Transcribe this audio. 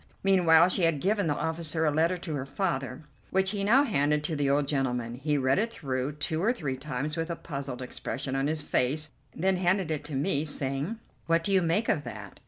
Meanwhile she had given the officer a letter to her father, which he now handed to the old gentleman. He read it through two or three times with a puzzled expression on his face, then handed it to me, saying: "What do you make of that?"